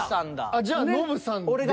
じゃあノブさんですね。